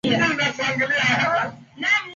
haruhusiwi kutumia vyakula vya mafuta ya wanyama